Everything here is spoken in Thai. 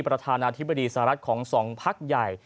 ประธานาธิบดีสหรัฐของ๒พักใหญ่